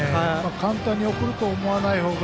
簡単に送ると思わない方が。